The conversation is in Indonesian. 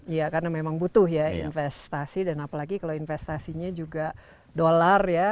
iya karena memang butuh ya investasi dan apalagi kalau investasinya juga dolar ya